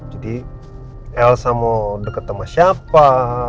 jadi elsa mau deket sama siapa